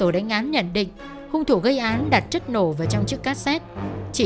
để cắm điện nghe thử cassette